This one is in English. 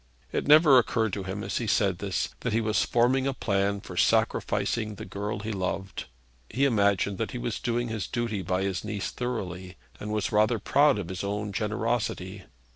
It never occurred to him, as he said this, that he was forming a plan for sacrificing the girl he loved. He imagined that he was doing his duty by his niece thoroughly, and was rather proud of his own generosity.